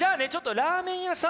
ラーメン屋さん。